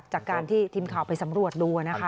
จากการที่ทีมข่าวไปสำรวจดูนะคะ